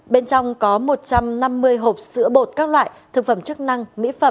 bên trong có một trăm năm mươi hộp sữa bột các loại thực phẩm chức năng